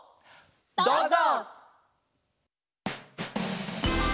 どうぞ！